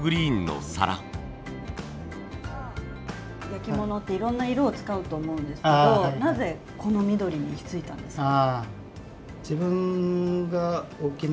焼き物っていろんな色を使うと思うんですけどなぜこの緑に行き着いたんですか？